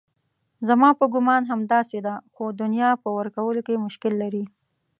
زما په ګومان همداسې ده خو دنیا په ورکولو کې مشکل لري.